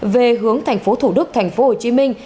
về hướng thành phố thủ đức thành phố hồ chí minh